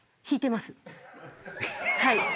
はい。